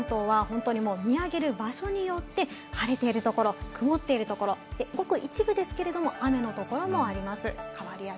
きょうの関東は本当にもう見上げる場所によって晴れているところ、曇っているところ、ごく一部ですけれども雨のところもあります。